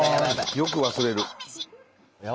よく忘れる。